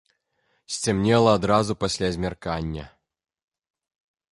Сцямнела адразу пасля змяркання.